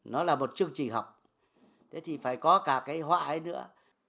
nó là một chương trình học thế thì phải có cả cái hoa ấy nữa